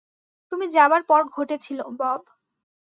তুমি যাবার পর ঘটেছিল, বব।